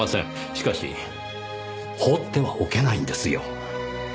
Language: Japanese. しかし放ってはおけないんですよ。